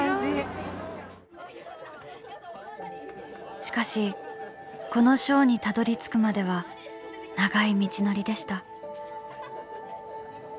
しかしこのショーにたどりつくまでは長い道のりでした。